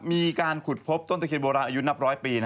มีการขุดพบต้นตะเคียนโบราณอายุนับร้อยปี